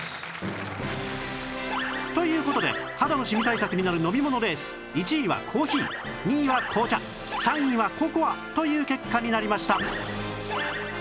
という事で肌のシミ対策になる飲み物レース１位はコーヒー２位は紅茶３位はココアという結果になりました